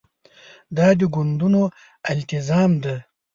دا د ګوندونو التزام ده.